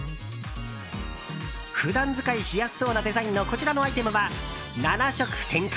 普段使いしやすそうなデザインのこちらのアイテムは７色展開。